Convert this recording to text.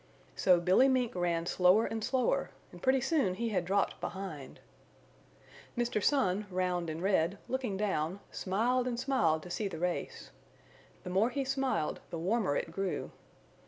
So Billy Mink ran slower and slower, and pretty soon he had dropped behind. Mr. Sun, round and red, looking down, smiled and smiled to see the race. The more he smiled the warmer it grew.